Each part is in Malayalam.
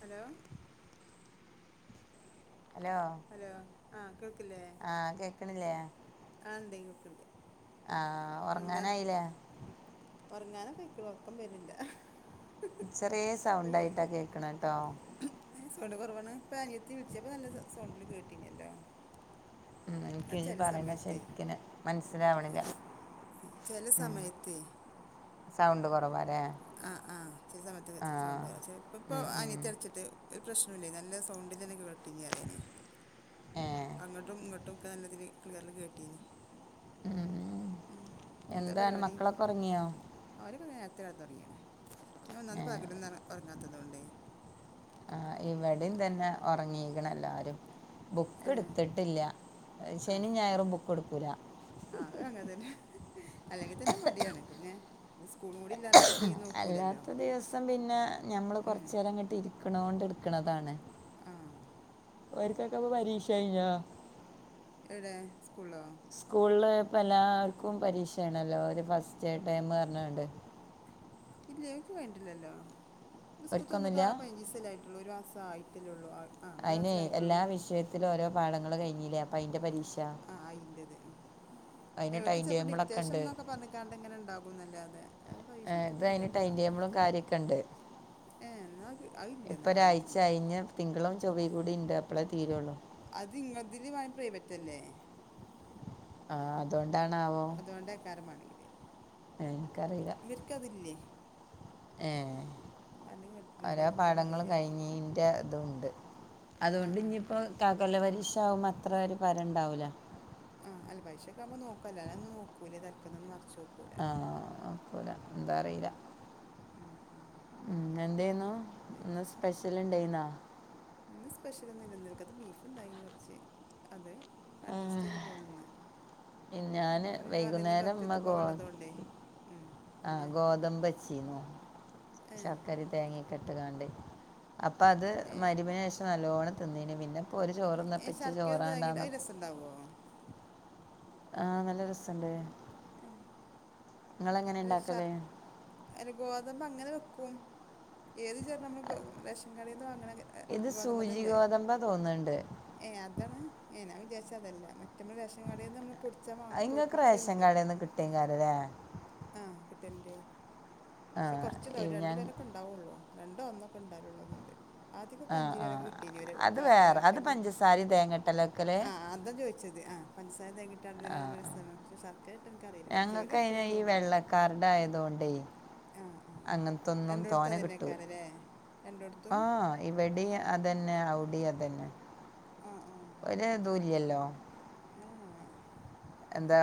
ഹലോ. ഹലോ. ഹലോ ആ കേൾക്കില്ലേ ആഹ് കേക്കണില്ലേ? ആ ഇണ്ടയ്നു ഒക്കെണ്ട്. ആഹ് എന്താ ഉറങ്ങാനായില്ലേ ഒറങ്ങാണെപൊയ്ക്കോളും ഉറക്കം വരില്ല ചെറിയ സൗണ്ടായിട്ടാ കേക്കണട്ടോ സൗണ്ട് കുറവാണ് പാനെത്തി വിളിച്ചപ്പ നല്ല സൗണ്ടില് കേട്ടിനല്ലോ ഉം എനിക്ക്േജി പറയുന്ന ശെരിക്കന് മനസ്സിലാവണില്ല ചില ഉം സമയത്ത് സൗണ്ട് കുറവാല്ലേ ആ ആ ചില സമയത്ത് ആഹ് സൗണ്ട് കുറവചില ഇപ്പോൾ ഇപ്പോൾ ഉം ഉം അനിയത്തി വിളിച്ചിട്ട് ഒരു പ്രശ്നുംല്ലേ നി നല്ല സൗണ്ടിൽ തന്നെ കേട്ടിനി അറിയാനേ ആഹ അങ്ങോട്ടും ഇങ്ങോട്ടും ഒക്കെ നല്ലതില് ക്ളിയറിൽ കേട്ടീനി ഉം ഉ എന്താ എന്താണ് പരിപാടി മക്കളൊക്കെ ഉറങ്ങിയോ ആ അവരൊക്കെ നേരത്തെ കിലത്തെ ഉറങ്ങീണ് ഞാൻ ഒനാമത്പകലൊന്നും ഉറങ്ങാത്തതുകൊണ്ടേ ആ ഇവിടെയും തന്നെ ഉറങ്ങീക്കണ എല്ലാരും ബുക്ക് ഏ എടുത്തിട്ടില്ല ആ ശനി ഞായറും ബുക്ക് എടുക്കൂല ആ അങ്ങെ തന്നെ അല്ലെങ്കിൽ തന്നെ മടിയാണ് പിന്നെ സ്കൂളുംകൂടി ഇല്ലെ പിന്നെ തീരെ നോക്കൂലല്ലോ അല്ലാത്ത ദിവസം പിന്നെ ഞമ്മള് ഉം. കൊറച്ച നേരം അങ്ങോട്ട് ഇരിക്കണത കൊണ്ട് എടുക്കണതാണ് ആഹ ഓൺക്കൊക്കപ്പ പരീക്ഷ കയിഞ്ഞ എവിടെ സ്കൂളോ സ്കൂളിൽ ഇപ്പൾ എല്ലാവർക്കും പരീക്ഷയാണല്ലോ ഒരു ഫസ്റ്റ് ടേം ന്ന് പറഞ്ഞ കൊണ്ട് ഇല്ല എനിക്ക് വേണ്ടില്ലല്ലോ സ്കുള്തുറന്നിട്ട് ഒരിക്കൊന്നുമില്ല ആക പതിനഞ്ചീസല്ല ആയിട്ടുള്ളൂ ഒരു മാസം ആയിട്ടല്ലേ ഉള്ളൂ ആ ഒരു അയിന്െ മാസത്തിലായിട്ടുള്ളൂ എല്ലാ വിഷയത്തിലും ഓരോ പാഠങ്ങൾ കഴിഞ്ഞില്ലേ അപ്പൊ അതിന്റെ പരീക്ഷ ആ അതിന് അയിറത്ക്ക് ടൈം ചപ്പോ ടേബിളൊക്കെ ഡിക്റ്റേഷം ഉണ്ട് എന്നൊക്കെ പറഞ്ഞ കാണ്ട് ഇങ്ങനെ ഉണ്ടാകുംന്നല്ല അതെ അത് പൈസ ഏഹ് ഇത് എടുത്തിട്ടില്ല അതിന് ടൈം ട്ടന്നാ ടേബിളും കാര്യമൊക്കെ ഉണ്ട് ഏ അയില്ലെന്ന ആയിട്ടില്ല എന്നാൽ കഴിഞ്ഞ തിങ്കളും ചൊവ്യും കൂടി ഉണ്ട് അപ്പളേ തീരുള്ളൂ അത് ഇങ്ങതില് പ്രൈവറ്റ അല്ലേ ആ അതുകൊണ്ടാണാവോ അതുകൊണ്ടയ്കാരംമാണെങ്കിൽ എനിക്കറിയ വിർക്കതില്ലേ ഏ കേട്ടിട്ടുണ്ട് ഓരോ ഈ കുട്ടികൾ പാടങ്ങള്ും പറയിലേ കഴിഞ്ഞീന്റെ തും ഉണ്ട് ആഹ് അതുകൊണ്ട് ആഹ് ഇനിപ്പോൊ കാകൊല്ല പരീക്ഷാവുംമ്പംഅത്ര ഒര് പരംണ്ടാവൂില്ല ആ അത് പരീക്ഷൊ ക്കാവുമ്പം നോക്കൂല്ലേ ാ അല്ലേ ഒന്നും നോക്കൂ തൽക്കൊന്ന് മറച്ച് നോുക്കും ആ അപലെ ന്താ അറീല ഉം ഉം ഉം എന്തയ്നു ശരി. ന്ന് സ്പെഷ്യൽ ണ്ടാ യിനോ ഇന്ന് സ്പെഷ്യൽ ഒന്നും ല്ല ന്നൽക്ക ത്തെബീഫ്ണ്ടായി നു കുറച്ച് അത് അഡ്ജസ്റ്റ് ചെയ്ത് പോന്ന് ഞാൻ പിന്നെ ഞാപറഞില്ലെ വൈകുന്നേരം ന്ന്ഡോക്ടടുത്ത് പോകുള്ളതൊണ്ടേ ഉ ആഹ ഏഹ് ഗോതമ്പ്ച്ചീന്നുശർക്കരേം തേങ്ങേംക്കെ ട്ടുങ്ങാണ്ട് അപ്പൊ അത് ഏഹ് മഗ്രിബിന്ശേഷം നല്ലോണം തിന്നീന് പിന്നെ ഇപ്പൊ ഓര്ചോറ്ന്നപ്പംച്ച് ചോറാണ്ടാന്ന ഉണ്ടാവോ ആഹ് നല്ല രസംണ്ട് ആ എസർ ഉണ്ടാക്കല് അല്ല ഗോതമ്പ് അങ്ങനെ വെക്കും ഏത് ചേണം നമ്മൾ ക്ക്റേഷൻ കടേ ന്ന് വാങ്ങണ ഇത് ഗോതമ്പ് സൂചി അതല്ലേ ഗോതമ്പ തോന്നണ്ട് ഏ അതാണ് ഞാ വിചാരിച്ച അതല്ല മറ്റ നമ്മൾ റേഷൻ കടേന്ന് നമ്മൾ പൊിച്ചാവാ നിങ്ങൾക്ക് റേഷൻ പൊടിപ്പിക്കൽണ്ടല്ലോ [unintelligible] ആഹ് കിട്ടണണ്ട്. ആ പക്ഷേ കുറച്ച്ണ്ടാവ ഈ ഒരു രണ്ട് ഞാൻ പേരക്കെ ഉണ്ടാവുള്ളൂ. രണ്ടോ ഒന്നൊക്കെ ഉണ്ടായള്ളൂന്നുണ്ട്. ആദ്യക്കൊ ആ ആ [unintelligible] കിട്ടീ ഒരു അത് വേറെ അത് ഒരാക്കന്നെ, പഞ്ചസാരയും തേങ്ങട്ടലൊക്കെ ആഹ് അതാ ചോദി ച്ചത്. ആഹ് പഞ്ചസാര ആ [unintelligible] പക്ഷെ ശർക്കര ഇട്ടത് എനിക്ക് അറിയില്ല ചിലര് [unintelligible] ഒക്കലണ്ടോന്നണ്ട് വെള്ളക്കാരടത് ആയത് കൊണ്ടേ ആ ആ അങ്ങനത്തൊന്നും തോന കിട്ടു എൻ്റെടുത്തും ഇവിടെ അതന്നെ, അവിടെ അതന്നെ, ആ ഒരദൂല്ല്ലോ ആഹ് എന്താ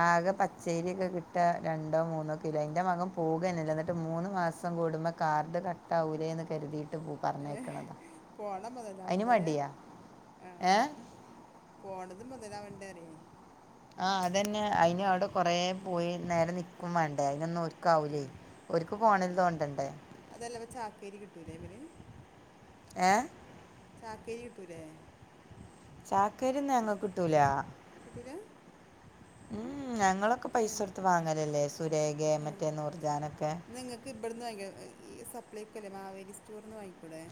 ആകെ പ [unintelligible] യൊക്കെ കിട്ടുക രണ്ടോ മൂന്നോ കിലോ. ൻ്റെ മകൻ പോകന്നില്ല എന്നിട്ട് മൂന്ന് മാസം കൂടുമ്പോ കാർഡ് ക [unintelligible] ന്ന് കരുതി ഏഹ് അതിന് പോണമുതലാവണ്ടേര്, മടിയാ ഏ ആഹ് പോണത് മുതലാവേണ്ട അറിയേ ആഹ് അതന്നെ. അയിന് അവിടെ ഉം കൊറേ പോയി നേരെ നിക്കും വേണ്ടേ, അതിനൊന്നും ഓര് ഓരിക്കാവൂലേ, ഓരിക്ക് ഫോണിൽ തോണ്ടണ്ടേ. അതല്ലപ്പ ചാക്കേരി കിട്ടൂലേ വ്‌ര് ഏഹ് ചാക്കേരി കിട്ടൂലേ? ചാക്കരിന്നും ഞങ്ങക്ക് കിട്ടൂല. കിട്ടൂല? ഉം ഞങ്ങളൊക്കെ പൈസ ഏഹ് കൊടുത്ത് വാങ്ങലല്ലേ സുരേഖേം മറ്റേ നൂർജാനൊക്കെ. ക്ക് ഇബിടുന്ന് വാങ്ങിക്ക ഈ സപ്ലൈക്കോ ഇല്ലേ മാവേലി സ്റ്റോറിൽന്ന് വാങ്ങിക്കൂടെേ?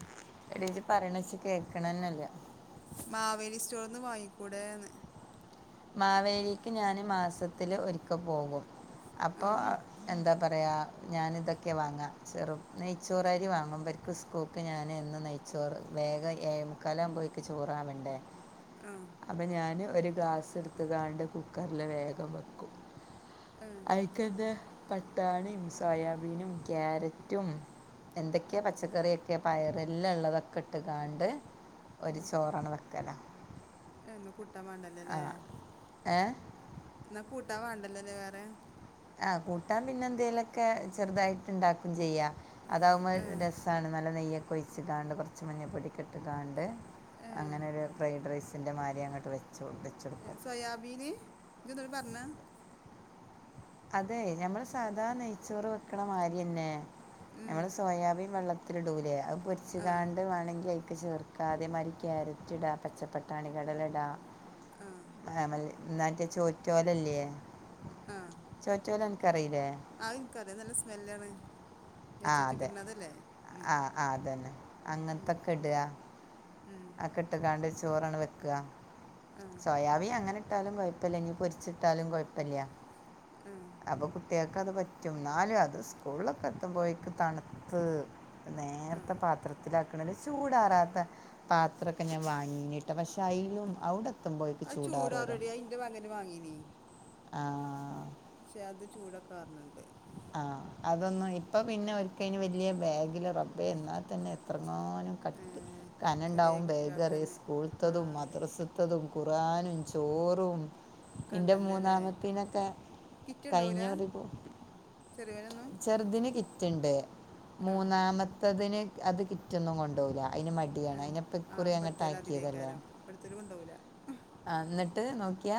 എടത് പറയണ വെച്ച കേൾക്കണന്നല്ല മാവേലി സ്റ്റോർന്ന് വാങ്ങിക്കൂടെന്ന്. മാവേലിക്ക് ഞാൻ മാസത്തില് ഒരിക്ക പോകും. അപ്പോ ആഹ് എന്താ പറയാ, ഞാനിതൊക്കെയാ വാങ്ങക, ചെറു നെയ്ച്ചോറരി വാങ്ങും, പരു ക്രിസ്കോക്ക് ഞാൻ എന്നും നെയ്ച്ചോറ് [unintelligible] ചോറാവണ്ടേ? ആഹ് അപ്പം ഞാൻ ഒരു ഗ്ലാസ് എടുത്തതാണ്ട് കുക്കറില് വേഗം വെക്കും. ഏഹ് അ [unintelligible] പട്ടാണീം സോയാബീനും ക്യാരറ്റും എന്തൊക്കെയാ പച്ചക്കറിയൊക്കെ പയറല്ലാം ഉള്ളതൊക്കെ ഇട്ട് കണ്ട് ഒരു ചോറാണ് വക്കലാ എന്നാ കൂട്ടാൻ വേണ്ടല്ലോല്ലേ? ഏ എന്നാ കൂട്ടാൻ വേണ്ടല്ലല്ലോ വേറെ? ആഹ് കൂട്ടാൻ പിന്നെ എന്തെലൊക്കെ ചെറുതായിട്ട് ഉണ്ടാക്കും ചെയ്യാം, അതാകുമ്പോൾ ഏഹ് രസ താണ് നല്ല നെയ്യൊക്കെ ഒഴിച്ചിട്ടാണ്ട് കുറച്ച് മഞ്ഞൾപ്പൊടെ ഇട്ടി കാണ്ട് ഏഹ് അങ്ങനെരു ഫ്രൈഡ് റൈസിൻ്റെ മാരി അങ്ങോട്ട് വെച്ച് ഏഹ് വെച്ചെടുക്കും സോയാബീന് ഇജ്ജൊന്നൂടി പറഞ്ഞേ. അതെ ഞമ്മള് സാധാ നെയ്ച്ചോറ് വെക്കണ മാരിയന്നെ. ഉം ഞമ്മള് സോയാബീൻ വെള്ളത്തി ത്തിരിടുലേ, അത് പൊരിച്ച ആഹ് കാണ്ട് വേണങ്കി ക്ക് ചേർക്ക, അതേമാതിരി ക്യാരറ്റ് ഇടാ, പച്ചപ്പട്ടാണികടല ഇടാ ആഹ് [unintelligible] ചോറ്റോലല്യേ ആഹ് [unintelligible] നിനക്ക്റിയില്ലേ? അതെനിക്കറിയാം നല്ല സ്മെല്ലാണ്, [unintelligible] ഇടണ അതല്ലേ? ഉം ആഹ് ആഹ് അതന്നെ, ഉം അങ്ങനത്തൊക്കെ ഇടുക ഉം ട്ടക്കാണ്ട് ചോറണ് വെക്കുക, ആ സോയാബീ അങ്ങനെ ട്ടാലും കൊയപ്പല്ല ഇനി പൊരിച്ചിട്ടാലും കൊയപ്പല്ല്യ, ആ അപ്പൊ കുട്ടികൾ അത് പറ്റും എന്നാലും അത് സ്കൂളൊക്കെ എത്തുമ്പോഴക്ക് തണുത്ത് ആ നേരത്തെ പാത്ര പാത്രത്തിലാക്കണത് ചൂടാറാത്ത പാത്രക്കെ ഞാൻ വാങ്ങീന് പക്ഷെ അയിലും അവിടെ എത്തുമ്പോയെക്ക് അത് ചൂടാറോലോ ചൂടാറെടി അത് എൻ്റെ മകന് വാങ്ങീനി ആഹ് പക്ഷെ അത് ചൂടൊക്കൊ ആറുണ് ണ്ട് ആഹ് അതൊന്നും ഇപ്പൊ പിന്നെ ഒരിക്കയ്ന് വല്യ ബാഗിൽ റബ്ബേ എന്നാൽ തന്നെ എത്രങ്ങാനും ഏ, കട്ടി ചെറിയ കനണ്ടാവും കുട്ടികൾക്ക് ബേഗറിയോ തന്നെ ആ സ്കൂള്ത്തതും അതന്നെ മദ്രസത്ത ത്തതും ഖുറ്ആനും ചോറും, എന്റെ കണ്ടല്ലോ അല്ലേ മൂന്നാമത്തിനൊക്കെ കഴിഞ്ഞ ഒരു ചെറിയവനന്ന് ചെറുതിന് കിറ്റ്ണ്ട് മൂന്നാമത്തതിന് അത് കിറ്റൊന്നും കൊണ്ടൊകില്ല അയ്‌ന് മടി ആ ആ ഇവിടുത്തെ [unintelligible] അതിരേക്കാരം ഇവിടുത്തെ കൊണ്ടുപോകില്ല ആ എന്നിട്ട് നോക്കിയാ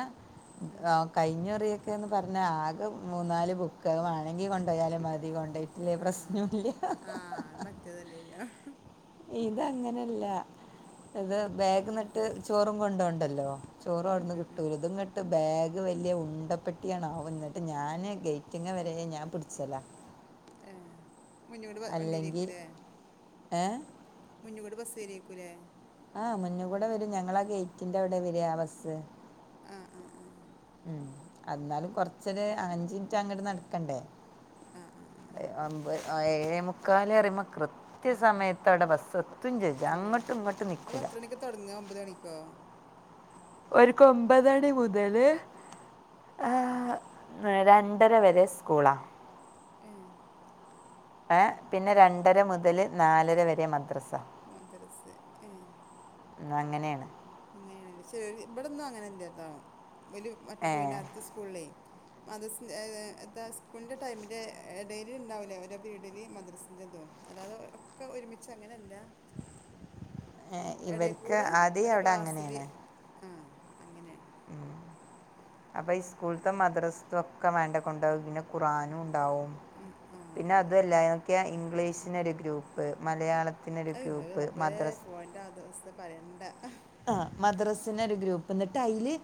ഉം റോ കഴിഞ്ഞുറിയൊക്കെന്ന് പറഞ്ഞാൽ ആകെ മൂന്നാല് ബുക്ക് അത് വേണെങ്കിൽ കൊണ്ടയാലും മതി കൊണ്ടോയി ല്ലേ ആ പ്രശ്നോല്ല ഹ ആ ഹ അത് ഹ ഹ മറ്റേതല്ലേ ഇതങ്ങനെയല്ല ഇത് ബാഗ് നട്ട് ചോറും കൊണ്ടോണ്ടല്ലോ ചോറ ഉം അവിന്ന് ഉം കിട്ടൂ ഉം ഇതങ്ങട്ട് ബാഗ് വലിയ ഉണ്ടപ്പെട്ടിയാ ആവും എന്നിട്ട് ഞാന് ഗേറ്റ് [unintelligible] വരെ ഞാൻ പിടിച്ചലാ ഏഹ് അല്ലെങ്കിൽ ഏഹ് മുന്ന് കൂടെ ബസ് വരേക്കൂല്ലേ ആഹ് മുന്ന് കൂടെ വരും ഞങ്ങളാ ഗേറ്റിന്റെ അവിടെ വര ബസ്സ് ആഹ് ആഹ് ആഹ് ഉം എന്നാലും കൊറച്ചര് അഞ്ചു മിനിറ്റ് അങ്ങട്ട് നടക്കണ്ടേ ആഹ് ആഹ് മ്പത് ഏഴേ മുക്കാല് പറയുമ്പോ കൃത്യ സമയത്ത് അവിടെ ബസ് എത് [unintelligible] ചെജ്ജും എത്തുംല്ലേ അങ്ങട്ടും ഇങ്ങട്ടും നിക്കൂല [unintelligible] ഒമ്പത് മണിക്കൊ ഓര് ക്ക് ഒമ്പതര മുതല് ആഹ് രണ്ടര വരെ സ്കൂളാ ഏഹ് ഏഹ് പിന്നെ രണ്ടര മുതൽ നാലര വരെ മദ്രസ മദ്രസ് ഏഹ് ഉം അങ്ങനെയാണ് അങ്ങനെയാണല്ലേ ഇവിടൊന്നും അങ്ങനെയല്ലതോ വലിയ മറ്റു ഏ പോയി ആദ്യത്തെ സ്കൂളിലേ മദ്രസിന് എ സ്കൂളിൻ്റെ ടൈമിന്റെ ഇഡെയില് ഉണ്ടാവില്ലേ ഓരോ പിരീഡിൽ മദ്രസിൻ്റെ തും അല്ലാതെ ഒക്കെ ഒരുമിച്ച് അങ്ങനെയല്ല ഏ, ഇവർക്ക് ഇടെക്കൂടെ ആദ്യം ഒരേ അവിടെ ക്ലാസ്സില് അങ്ങനെയാണ് ആ അങ്ങനെയാണ് [inaudible] അപ്പൊ ഈ സ്കൂള്ത്തെ മദ്രസൊക്കെ വേണ്ടേ കൊണ്ടാക പിന്നെ ഖുറാനും ഉണ്ടാവും. ഉം ആ ആ പിന്നെ അതോല്ല [unintelligible] ഇംഗ്ലീഷിന് ഒരു ഗ്രൂപ്പ് മലയാളത്തിനൊരു ഗ്രൂപ്പ്‌ മദ്രസ [unintelligible] അത് പറയണ്ട ആ മദ്രസിന് ഒരു ഗ്രൂപ്പ് എന്നിട്ട് അയ്ല്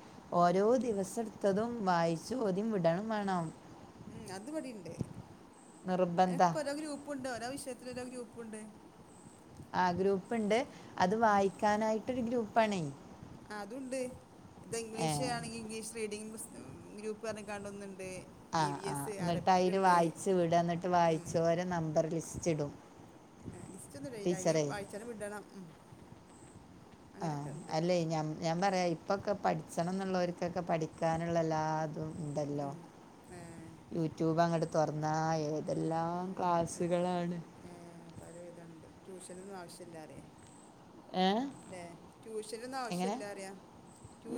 ഓരോ ദിവസം ത്തതും വായിച്ചു ഓതിം വിടെയും വേണം ഉം അത് ഇവിടെ ഉണ്ട് നിർബന്ധ ഇപ്പോ ഓരോ ഗ്രൂപ്പുണ്ട് ഓരോ വിഷയത്തിന് ഓരോ ഗ്രൂപ്പുണ്ട്. ആ ഗ്രൂപ്പ് ഉണ്ട് അത് വായിക്കാനായിട്ടൊരു ഗ്രൂപ്പാണേ അതുണ്ട് ഇത് ഏ ഇംഗ്ലീഷ് ആണെങ്കി ഇംഗ്ലീഷ് [unintelligible] ആ ആ എസ് ന്നിട്ട് അറബിക് അയ്ല് ഉണ്ട് വായിച്ച് വിട ന്നിട്ട് ഉം വായിച്ചോരെ നമ്പർ ലിസ്റ്റ് ഇടും. ലിസ്റ്റ് ഒന്നു [unintelligible] അയ്ല് ടീച്ചറേ വായിച്ചാലും വിടണം ഉം ആ അങ്ങനെയൊക്കെ ഉണ്ട് അല്ലേ ഞാൻ ഞാൻ പറയാ ഇപ്പൊക്കെ പഠിച്ചണം എന്നുള്ളവർക്കൊക്കെ പഠിക്കാനുള്ള എല്ലാതും ഉണ്ടല്ലോ ഉം ഏ യൂട്യൂബ് അങ്ങട്ട് തുറന്നാ ന്തെല്ലാം ഉം എല്ലാം ക്ലാസുകളാണ്. ഏ പല വിതണ്ട് ട്യൂഷനൊന്നും ആവശ്യല്ലാറിയേ ഏ ല്ലെ ട്യൂഷനൊന്നും ആവശ്യംല്ല എങ്ങനെ അറിയ.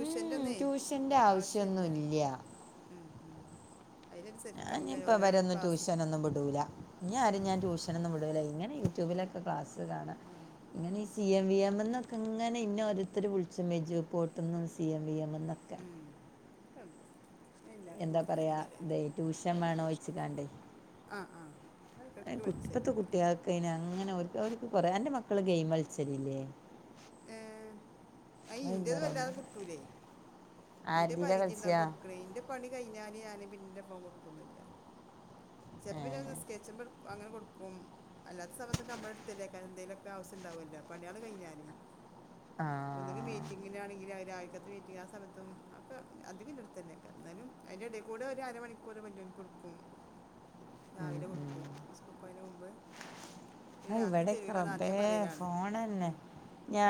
ഉം, ട്യൂഷൻ്റെ ആവശ്യല്ല ആവശ്യമൊന്നുമില്ല ഉം ഉം അതിലനുസരിച്ച് നമുക്ക് ഞാഞ്ഞിപ്പോ ഓരോ വരൊന്നും ക്ലാസ് ട്യൂഷനൊന്നും വിടൂല ഞ്ഞി ആരിം ആ ഞാൻ ട്യൂഷ ഷനൊന്നുംവിടൂല ഇങ്ങനെ യൂട്യൂബിലൊക്കെ ക്ലാസ് കാണ ആ [unintelligible] സി എം വി എം ന്നൊക്കെ ങ്ങനെ ഇന്നെ ഓരോരുത്തര് വിൾച്ചും എജു പോട്ട്ന്നും സി എം വി എംമ്മ് ന്ന ഉം ഒക്കണ്ട് എന്താ പറയാ ഇതെ ട്യൂഷൻ വേണോയ്ച്ച്കാൺടെയ്. ആ ആ അത് ഇക്കൊക്കെ വിൾച്ചല് കുട്ടിയേൾക്കെയ്ന് അങ്ങനെ ഒരു അവർക്ക് കൊറേ അന്റെ മക്കള് ഗെയിമൾച്ചലില്യ? ഏ അതിൻ്റെ അയ്ന്റത് വല്ലാതെ കിട്ടൂലേയ്. ഇന്റെ ആരുതിയിലാണ് പരിധി ണ്ടാവും കളിച്ചാ കൊടുക്കണേയ് ന്റെ പണി കഴിഞാല് ഞാന്പന്റെ ഫോൺ കൊട്ക്കൊന്നുല്യ ചെൽപ്പോ പിന്നെ നിസ്ക്കര്ച്ചുമ്പോട് അങ്ങനെ കൊടുക്കും അല്ലാത്ത സമയത്തൊക്കെ നമ്മളടുത്തല്ലേക്കാരം എന്തേലൊക്കെ ആവ്സ്യംണ്ടാവുല്ലോ പണിയേള് കഴിഞ്ഞാല്. ആഹ് [unintelligible] ആഹ് ത്തും അപ്പൊ അധികന്റെ ടുത്ത്ന്നെക്കാരം ന്നാലും അയ്ന്റെ എടെകൂടെ ഒരു അരമണിക്കൂർ വല്യോൻക്കൊട്ക്കും ഉം, ഉം. രാവിലെ കൊടുക്കും സ്കൂൾ ക്കോണീന്റെ മുമ്പ് പിന്നെ ആഹ് രാത്രി വിടെ ക്കെ തരൂല എന്ന് റബ്ബേ ആദ്യമേ പറയലാണ് ഫോണന്നെ ഉം.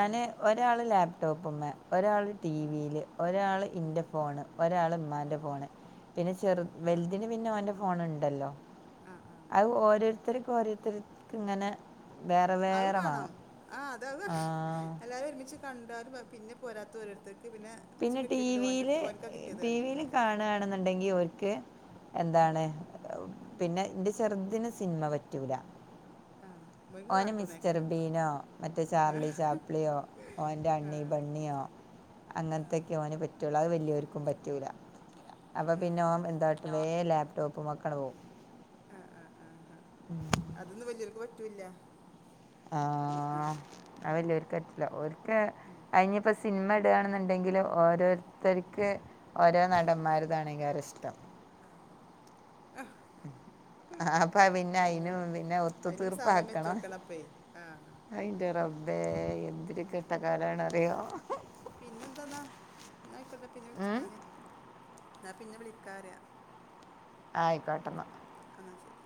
ഉം. ഒരാള് ലാപ്ടോപ്പ്മ്മ ഒരാള് ടി ഉം. വില് ഒരാള് ഉം. ഇൻ്റെ ഫോണ് ഒരാള് മ്മാൻ്റെ ഉം. ഫോണ് പിന്നെ ആ ചെറു വലുതിന് പിന്നെ ഓന്റെ ഫോണ് ണ്ടല്ലോ ആ ആ അത് ഓരോരുത്തർക്ക് ഓരോരുത്തർക്ക് ങ്ങനെ ആ, [unintelligible] കണ്ടാലും പിന്നെ പോരാത്ത രോരുത്തേക്ക് പിന്നെ ഇച്ച് പിന്നെ കിട്ടിയിട്ടില്ല ഓൻ്റെ ടിവില് അടുത്ത് ഓനക്കാ കിട്ടിയത് അറിയും ടിവില് ഉം. കാണെണ് ന്നുണ്ടെങ്കി ഓര്ക്ക് ഉം. എന്താണ് പിന്നെ ന്റെ ചെർതിന് സിനിമ പറ്റൂല. ആഹ് ഓന് മിസ്റ്റർ ബീനോ മറ്റേ ആ ചാർലി ചാപ്ലിയോ ഓന്റെ ആ അണ്ണി ബണ്ണിയോ ആ അങ്ങൻത്തൊക്കെ ഓന് പറ്റൊള്ളൂ അത് വലിയോര്ക്കും പറ്റൂല. അപ്പൊ പിന്നെ ആ ഓം എന്താട്ട വേം ലാപ്ടോപ്പ്മ്മക്കാണ്ട് പോവും. ആ ആ ആ ഹ അതൊന്നും വല്യോൽ ക്ക് പറ്റൂല്ല. ആഹ് അത് ഉം വല്യോര്ക്കറ്റ്ല ഓര്ക്ക്‌ ഉം അയ്ഞ് പ്പൊ സിനിമ ഇടുകയാണെന്നുണ്ടെങ്കിലും ഓരോരുത്തര്ക്ക് ഓരോ നടന്മാർതാണെ യ്ക്കാരം ഇഷ്ടം. ആഹ് ആഹ് [inaudible] ആ അപ്പ പിന്നെ ഏഹ് അയ്നും പിന്നെ ഒത്തു അയിനും സമയം തീർപ്പാക്കണം വെച്ചൊടുക്കണപ്പേ ആഹ് അയിന്റെ റബ്ബ് ബേ എന്തിരു ഘട്ട കാലണറി പിന്നെ എന്താന്നാ എന്ന ആയിക്കോട്ടെ പിന്നെ ഉം, വിളിച്ചന്നാല് ന്നാ പിന്നെ വിളിക്കാറി ആയിക്കോട്ടന്ന. ആ ന്നാ ശരി.